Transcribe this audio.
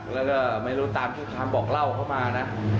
แล้วก็ไม่รู้ตามที่คำบอกเล่าเขามานะ